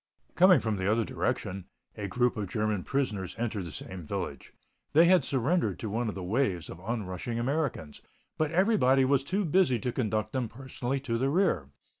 Coming from the other direction, a group of German prisoners entered the same village. They had surrendered to one of the waves of onrushing Americans, but everybody was too busy to conduct them personally to the rear.